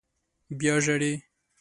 _بيا ژاړې!